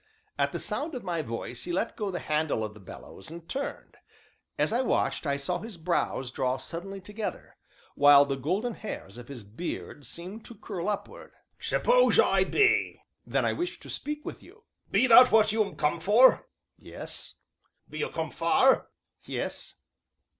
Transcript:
At the sound of my voice, he let go the handle of the bellows, and turned; as I watched, I saw his brows draw suddenly together, while the golden hairs of his beard seemed to curl upward. "Suppose I be?" "Then I wish to speak with you." "Be that what you'm come for?" "Yes." "Be you come far?" "Yes."